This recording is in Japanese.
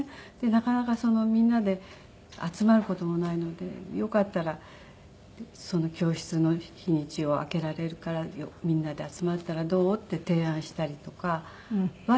なかなかみんなで集まる事もないのでよかったらその教室の日にちを空けられるからみんなで集まったらどう？って提案したりとかはしていますね。